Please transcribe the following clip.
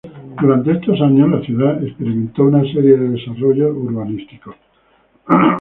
Durante estos años la ciudad experimentó una serie de desarrollos urbanísticos.